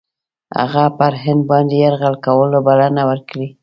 هغه پر هند باندي یرغل کولو بلنه ورکړې.